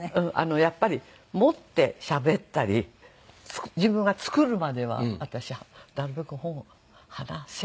やっぱり持ってしゃべったり自分が作るまでは私なるべく本を離せないの。